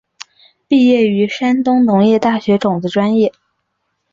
毕业于山东农业大学种子专业。